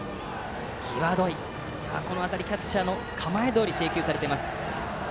この辺りキャッチャーの構えどおり制球されています。